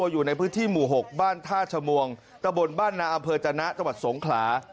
อยู่ในพื้นที่หมู่๖บ้านท่าชมวงตะบนบ้านนาอำเภอจนะจังหวัดสงขลา